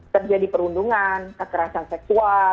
terjadi perundungan kekerasan seksual